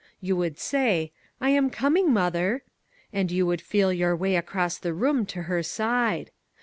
You would say: ' I am coming, mother.' And you would feel your way across the room to her side.